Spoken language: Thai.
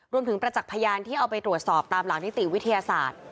ประจักษ์พยานที่เอาไปตรวจสอบตามหลักนิติวิทยาศาสตร์